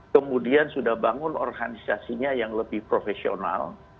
kemudian sudah bangun organisasinya yang lebih profesional